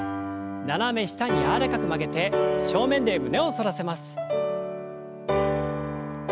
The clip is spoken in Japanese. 斜め下に柔らかく曲げて正面で胸を反らせます。